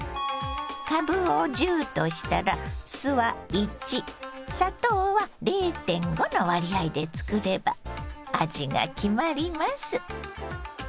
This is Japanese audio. かぶを１０としたら酢は１砂糖は０．５の割合で作れば味が決まります。